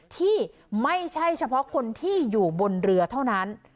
ที่ไม่ใช่เฉพาะคนที่อยู่บนเรือเท่านั้น